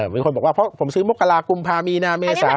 มีคนบอกว่าเพราะผมซื้อมกรากุมภามีนาเมษา